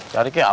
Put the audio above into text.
cari kek apa